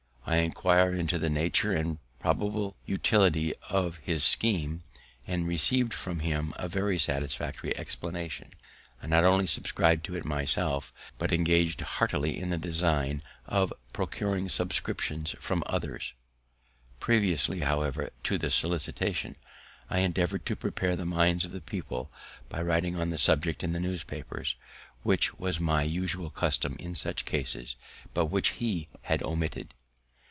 I enquired into the nature and probable utility of his scheme, and receiving from him a very satisfactory explanation, I not only subscrib'd to it myself, but engag'd heartily in the design of procuring subscriptions from others. Previously, however, to the solicitation, I endeavoured to prepare the minds of the people by writing on the subject in the newspapers, which was my usual custom in such cases, but which he had omitted.